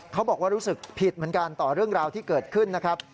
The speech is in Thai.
เขาบอกรู้สึกผิดเหมือนกันต่อเรื่องราวที่เกิดขึ้นนะครับ